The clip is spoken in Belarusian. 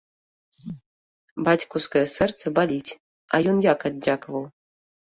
Бацькаўскае сэрца баліць, а ён як аддзякаваў?